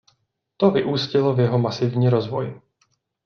To vyústilo v jeho masivní rozvoj.